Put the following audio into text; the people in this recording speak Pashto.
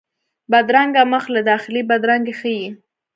بدرنګه مخ له داخلي بدرنګي ښيي